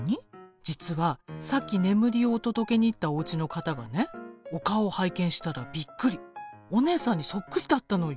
実はさっき眠りをお届けに行ったおうちの方がねお顔を拝見したらびっくりお姉さんにそっくりだったのよ。